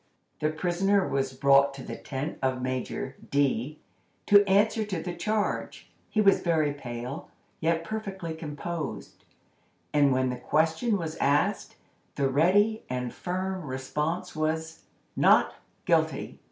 The prisoner was brought to the tent of Major D—— to answer to the charge. He was very pale, yet perfectly composed; and when the question was asked, the ready and firm response was: "NOT GUILTY!"